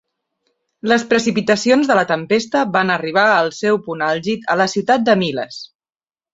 Les precipitacions de la tempesta van arribar al seu punt àlgid a la ciutat de Miles.